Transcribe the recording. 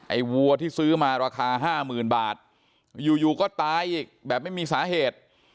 ไอ้วัวที่ซื้อมาราคาห้ามื่นบาทอยู่อยู่ก็ตายอีกแบบไม่มีสาเหตุ